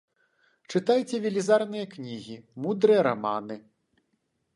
Чытайце велізарныя кнігі, мудрыя раманы.